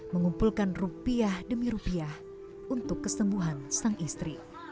mengumpulkan rupiah demi rupiah untuk kesembuhan sang istri